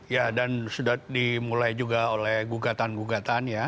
ya dan sudah dimulai juga oleh gugatan gugatan ya